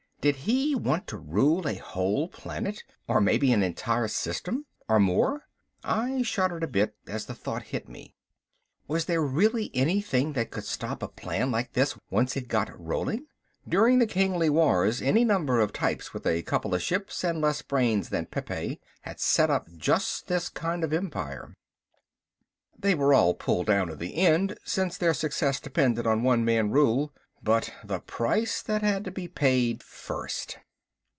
Did he want to rule a whole planet or maybe an entire system? Or more? I shuddered a bit as the thought hit me. Was there really anything that could stop a plan like this once it got rolling? During the Kingly Wars any number of types with a couple of ships and less brains than Pepe had set up just this kind of empire. They were all pulled down in the end, since their success depended on one man rule. But the price that had to be paid first!